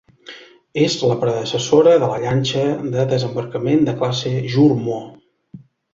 És la predecessora de la llanxa de desembarcament de classe Jurmo.